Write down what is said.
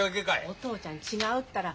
お父ちゃん違うったら。